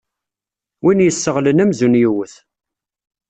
Win yesseɣlen amzun yewwet.